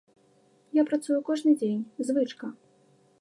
А працую кожны дзень, звычка.